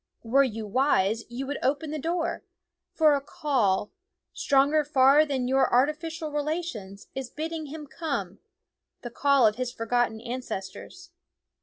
Were you wise, you would open the door; for a call, stronger far than your arti ficial relations, is bidding him come, the call of his forgotten ancestors.